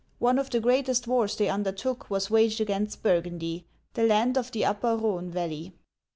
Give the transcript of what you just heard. One of the greatest wars they undertook was waged against Burgundy — the land of the upper Rhone valley.